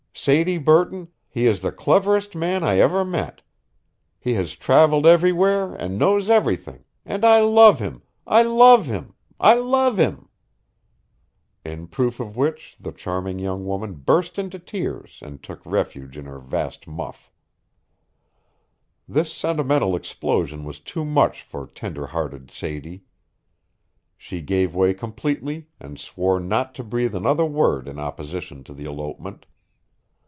Sadie Burton, he is the cleverest man I ever met. He has travelled everywhere and knows everything, and I love him, I love him, I love him!" In proof of which the charming young woman burst into tears and took refuge in her vast muff. This sentimental explosion was too much for tender hearted Sadie. She gave way completely and swore not to breathe another word in opposition to the elopement.